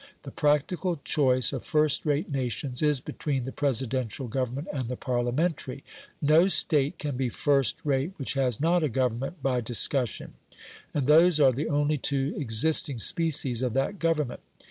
The practical choice of first rate nations is between the Presidential government and the Parliamentary; no State can be first rate which has not a government by discussion, and those are the only two existing species of that government.